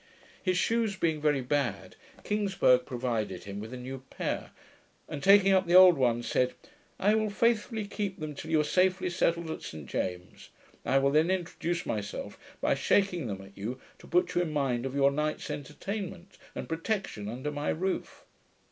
His shoes being very bad, Kingsburgh provided him with a new pair, and taking up the old ones, said, 'I will faithfully keep them till you are safely settled at St James's. I will then introduce myself by shaking them at you, to put you in mind of your night's entertainment and protection under my roof.'